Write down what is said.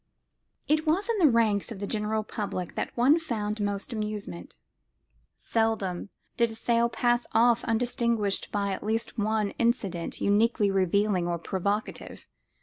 But it was in the ranks of the general public that one found most amusement; seldom did a sale pass off undistinguished by at least one incident uniquely revealing or provocative.